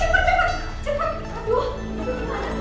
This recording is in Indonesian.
aduh aku marah sih